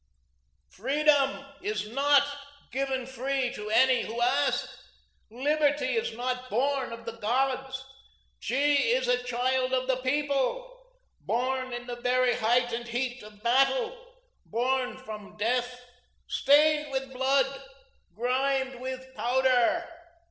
"Freedom is NOT given free to any who ask; Liberty is not born of the gods. She is a child of the People, born in the very height and heat of battle, born from death, stained with blood, grimed with powder.